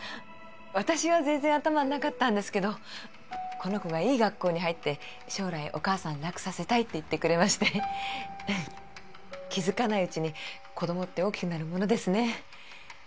私は全然頭になかったんですけどこの子がいい学校に入って将来お母さん楽させたいって言ってくれまして気づかないうちに子供って大きくなるものですね